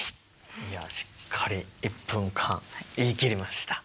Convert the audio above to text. いやしっかり１分間言い切りました。